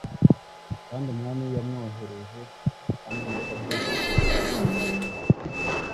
Kandi umwami yamwohereje hamwe na Sadoki umutambyi